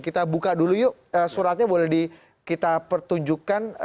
kita buka dulu yuk suratnya boleh kita pertunjukkan